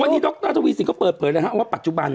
วันนี้ดรทวีสินก็เปิดเผยเลยฮะว่าปัจจุบัน